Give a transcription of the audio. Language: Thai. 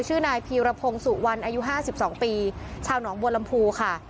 ชื่อนายพีรพงศ์สู่วันอายุห้าสิบสองปีชาวหนองบัวลำภูค่ะ